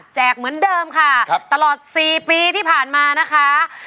เหมือนเดิมค่ะตลอด๔ปีที่ผ่านมานะคะ